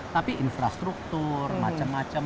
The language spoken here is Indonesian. tapi infrastruktur macam macam